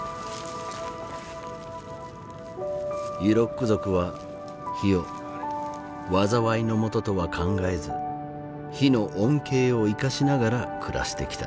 ユロック族は火を災いのもととは考えず火の恩恵を生かしながら暮らしてきた。